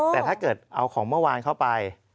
แต่ถ้าเกิดเอาของเมื่อวานเข้าไป